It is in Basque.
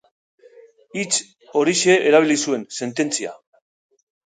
Hitz horixe erabili zuen, sententzia.